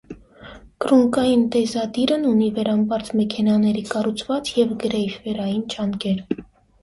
Կռունկային դեզադիրն ունի վերամբարձ մեքենաների կառուցվածք և գրեյֆերային ճանկեր։